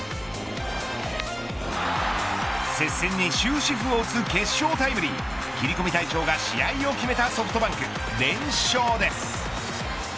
接戦に終止符を打つ決勝タイムリー切り込み隊長が試合を決めたソフトバンク、連勝です。